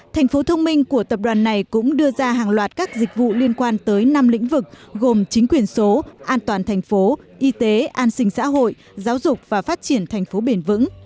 thành phố thông minh của tập đoàn này cũng đưa ra hàng loạt các dịch vụ liên quan tới năm lĩnh vực gồm chính quyền số an toàn thành phố y tế an sinh xã hội giáo dục và phát triển thành phố bền vững